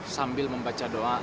sambil membaca doa